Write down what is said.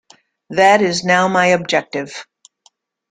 That is now my objective.